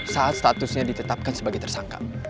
saat statusnya ditetapkan sebagai tersangka